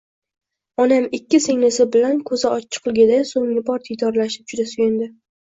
Onam ikki singlisi bilan ko`zi ochiqligida so`nggi bor diydorlashib juda suyundi